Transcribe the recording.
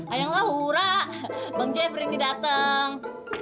ayang lahura bang jeffrey didateng